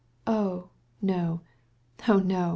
"Oh no, oh no!